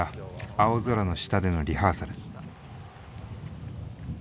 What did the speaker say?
青空の下でのリハーサル。